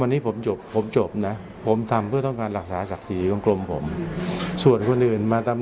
วันนี้ผมจบผมจบนะผมทำเพื่อต้องการรักษาศักดิ์ศรีของกรมผมส่วนคนอื่นมาทำ